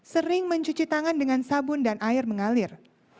sering mencuci tangan dengan sabun dan air mengalir